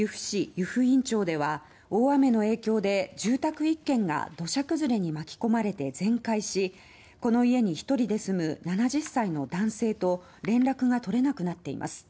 湯布院町では大雨の影響で住宅１軒が土砂崩れに巻き込まれて全壊しこの家に１人で住む７０歳の男性と連絡が取れなくなっています。